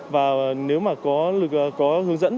và nếu mà có hướng dẫn